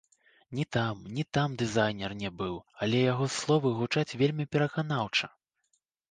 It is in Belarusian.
Ні там, ні там дызайнер не быў, але яго словы гучаць вельмі пераканаўча!